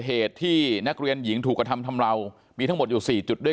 เหตุที่นักเรียนหญิงถูกกระทำทำราวมีทั้งหมดอยู่สี่จุดด้วย